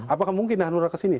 apakah mungkin anura kesini